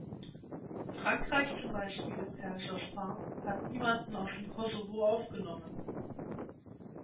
Frankreich zum Beispiel, Herr Jospin, hat niemanden aus dem Kosovo aufgenommen.